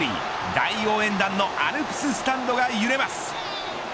大応援団のアルプススタンドが揺れます。